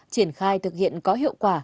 triển khai thực hiện có hiệu quả